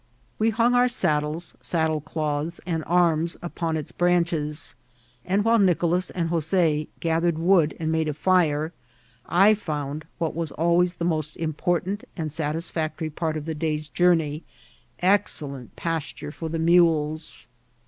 We hung our saddles, saddlecloths, and arraa upon its branches, and while Nicolas and Jos6 gathered wood and made a fire, I found, what was always the most important and satisbctory part of the day's jour ney, excellent pasture for the nuiles.